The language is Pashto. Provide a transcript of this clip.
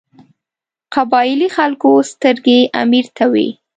قبایلي خلکو سترګې امیر ته وې.